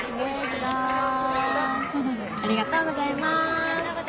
ありがとうございます。